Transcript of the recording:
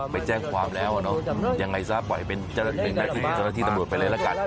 ไปแจ้งความแล้วยังไงซะปล่อยเป็นเจ้าหน้าที่ตำรวจไปเลยละกัน